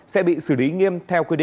sẽ bị xử lý nghiêm